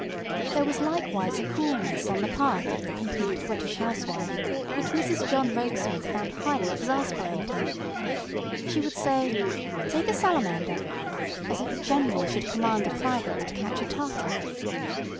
ŌĆ£There was likewise a coolness on the part of ŌĆśThe Complete British HousewifeŌĆÖ which Mrs. John Rokesmith found highly exasperating. She would say, ŌĆśTake a salamander, ŌĆÖ as if a general should command a private to catch a Tartar.